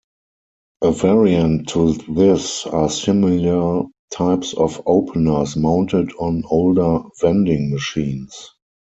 A variant to this are similar types of openers mounted on older vending machines.